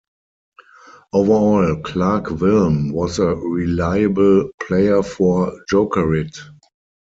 Overall, Clarke Wilm was a reliable player for Jokerit.